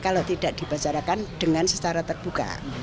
kalau tidak dibicarakan dengan secara terbuka